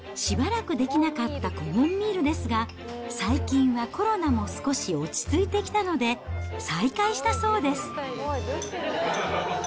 コロナ禍で、しばらくできなかったコモンミールですが、最近はコロナも少し落ち着いてきたので、再開したそうです。